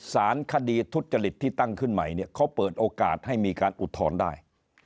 สารคดีทุจริตที่ตั้งขึ้นใหม่เนี่ยเขาเปิดโอกาสให้มีการอุทธรณ์ได้